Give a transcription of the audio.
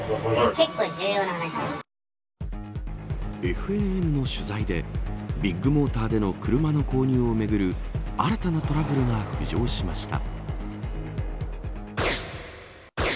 ＦＮＮの取材でビッグモーターでの車の購入をめぐる新たなトラブルが浮上しました。